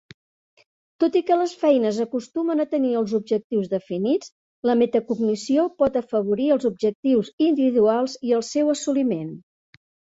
Tot i que les feines acostumen a tenir els objectius definits, la metacognició por afavorir els objectius individuals i el seu assoliment.